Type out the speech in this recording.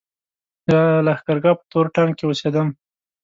د لښکرګاه په تور ټانګ کې اوسېدم.